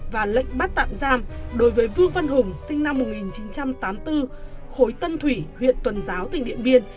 và lệnh bắt tạm giam đối với vương văn hùng sinh năm một nghìn chín trăm tám mươi bốn khối tân thủy huyện tuần giáo tỉnh điện biên